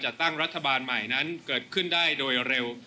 จัดตั้งรัฐบาลใหม่เมื่อกี้เกิดขึ้นได้โดยเร็ว